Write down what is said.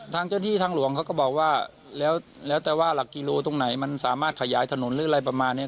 ทางเจ้าที่ทางหลวงเขาก็บอกว่าแล้วแต่ว่าหลักกิโลตรงไหนมันสามารถขยายถนนหรืออะไรประมาณนี้